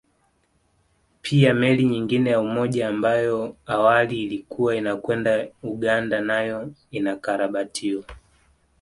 Pia meli nyingine ya Umoja ambayo awali ilikuwa inakwenda Uganda nayo inakarabatiwa